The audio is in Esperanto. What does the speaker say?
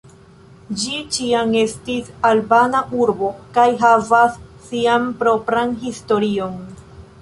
Ĝi ĉiam estis albana urbo kaj havas sian propran historion.